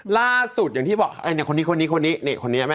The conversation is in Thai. ล่าสุดอย่างที่บอกคนนี้คนนี้คนนี้